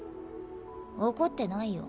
怒ってないよ